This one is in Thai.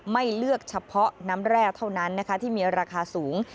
ไม่เลือกเฉพาะน้ำแร่เท่านั้นนะคะที่มีราคาสูง